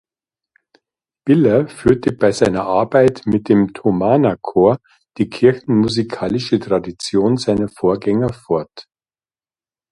Biller führte bei seiner Arbeit mit dem Thomanerchor die kirchenmusikalische Tradition seiner Vorgänger fort.